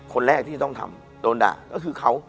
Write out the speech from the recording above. คนแรกที่ต้องทำโดนด่าก็คือเขา